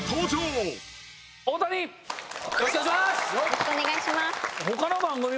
よろしくお願いします！